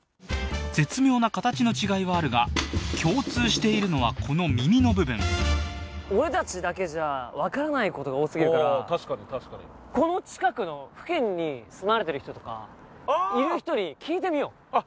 絶妙な形の違いはあるが共通しているのはこの耳の部分俺達だけじゃ分からないことが多すぎるから確かに確かにこの付近に住まわれてる人とかああ！いる人に聞いてみようあっ